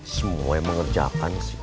semua yang mengerjakan sih